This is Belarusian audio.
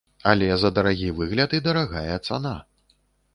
Але за дарагі выгляд і дарагая цана.